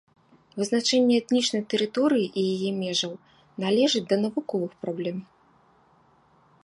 Вызначэнне этнічнай тэрыторыі і яе межаў належыць да навуковых праблем.